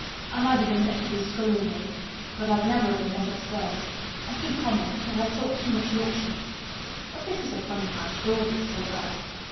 I might have been let to be scullerymaid but I'd never have been let upstairs. I'm too common an' I talk too much Yorkshire. But this is a funny house for all it's so grand.